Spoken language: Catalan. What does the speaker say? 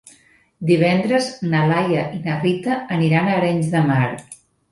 Divendres na Laia i na Rita aniran a Arenys de Mar.